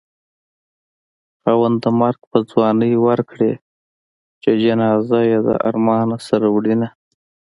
خاونده مرګ په ځوانۍ ورکړې چې جنازه يې د ارمانه سره وړينه